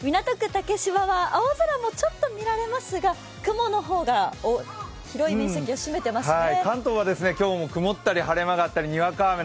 竹芝は青空もちょっと見られますが雲の方が広い面積を占めてますね。